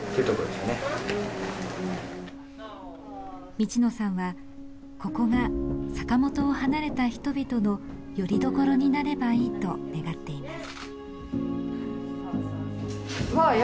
道野さんはここが坂本を離れた人々のよりどころになればいいと願っています。